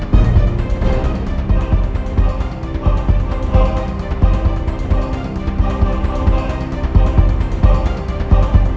mumpung gak ada yang ngeliat